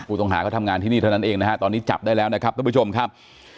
ต้องหาเขาทำงานที่นี่เท่านั้นเองนะฮะตอนนี้จับได้แล้วนะครับทุกผู้ชมครับ